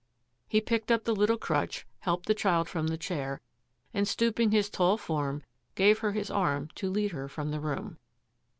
He picked up the little crutch, helped the child from the chair, and, stooping his tall form, gave her his arm to lead her from the room.